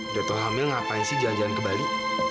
udah tau hamil ngapain sih jalan jalan ke bali